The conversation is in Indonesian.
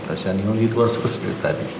ke sini udah udah berusia tadi